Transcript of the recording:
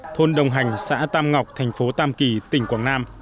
thôn đồng hành xã tam ngọc tp tam kỳ tỉnh quảng nam